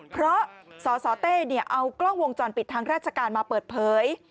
เพราะสสเต้เอากล้องวงจรปิดทางราชการมาเปิดเผย